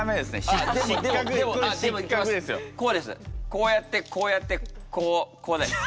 こうやってこうやってこうこうです。